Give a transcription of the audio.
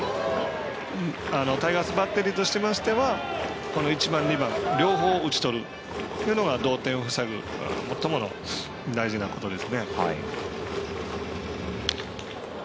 タイガースバッテリーとしては１、２番両方打ち取るというのが同点を防ぐ、最も大事なことです。